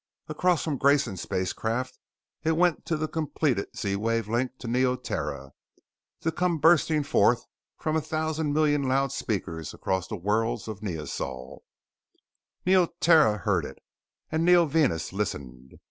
Across from Grayson's spacecraft it went to the completed Z wave link to Neoterra, to come bursting forth from a thousand million loudspeakers across the worlds of NeoSol: NeoTerra heard it, and NeoVenus listened.